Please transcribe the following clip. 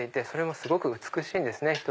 それもすごく美しいんですね